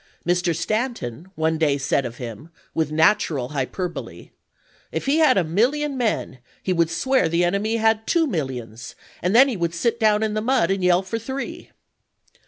Mr. Stanton one day said of him, with natural hyperbole : "If he had a million men, he would swear the enemy had two millions, and then he would sit down in the mud and yell for three."